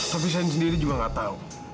tapi saya sendiri juga nggak tahu